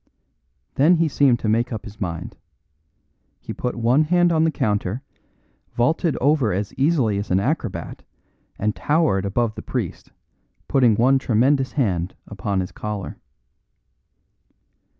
Then he seemed to make up his mind. He put one hand on the counter, vaulted over as easily as an acrobat and towered above the priest, putting one tremendous hand upon his collar.